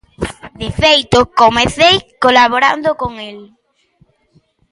De feito, comecei colaborando con el.